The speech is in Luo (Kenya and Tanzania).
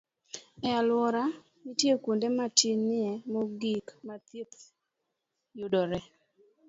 E alworawa, nitie kuonde matinie mogik ma thieth yudoree